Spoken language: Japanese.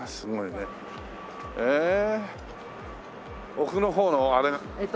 奥の方のあれ。